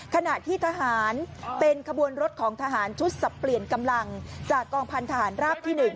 ขณะที่ทหารเป็นขบวนรถของทหารชุดสับเปลี่ยนกำลังจากกองพันธหารราบที่๑